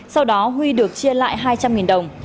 sau đó huy được chia lại hai trăm linh đồng